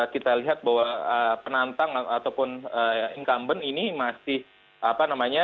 kita lihat bahwa penantang ataupun incumbent ini masih apa namanya